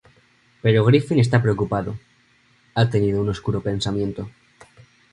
Pero Griffin está preocupado: ha tenido un oscuro presentimiento.